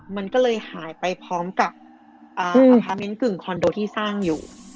มันก็เลยหายไปพร้อมกับอพาร์ทเมนต์กึ่งคอนโดที่สร้างอยู่